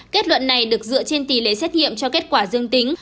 kết luận này được dựa trên tỷ lệ xét nghiệm cho kết quả dương tính